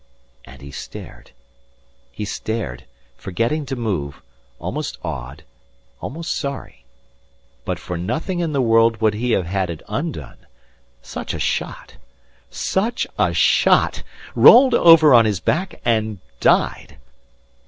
And he stared. He stared, forgetting to move, almost awed, almost sorry. But for nothing in the world would he have had it undone. Such a shot! Such a shot! Rolled over on his back, and died!